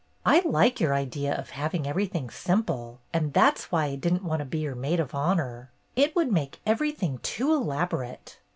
"I like your idea of having everything simple, and that 's why I did n"t want to be your maid of honor. It would make every thing too elaborate."